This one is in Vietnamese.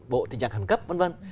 bộ tình trạng khẩn cấp vân vân